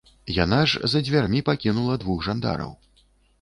Яна ж за дзвярмі пакінула двух жандараў.